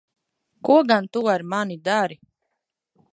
Ko gan tu ar mani dari?